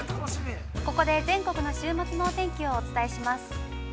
◆ここで全国の週末のお天気をお伝えします。